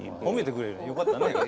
褒めてくれるのよかったね。